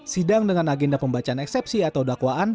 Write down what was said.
sidang dengan agenda pembacaan eksepsi atau dakwaan